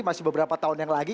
masih beberapa tahun yang lagi